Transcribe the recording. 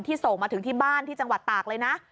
ส่งมาถึงที่บ้านที่จังหวัดตากเลยนะ